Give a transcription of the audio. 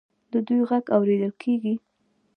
د دوی غږ اوریدل کیږي.